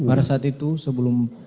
pada saat itu sebelum